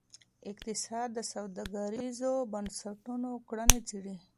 اقتصاد د سوداګریزو بنسټونو کړنې څیړي.